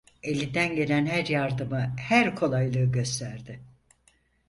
Elinden gelen her yardımı, her kolaylığı gösterdi.